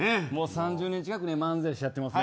３０年近く漫才師やってます。